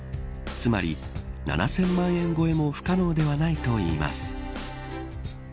つまり７０００万円超えも不可能ではないといいます。